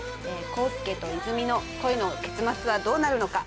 康介と和泉の恋の結末はどうなるのか？